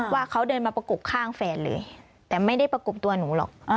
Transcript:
ว่าเขาเดินมาประกบข้างแฟนเลยแต่ไม่ได้ประกบตัวหนูหรอก